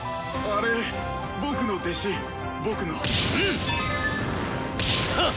あれ僕の弟子僕の。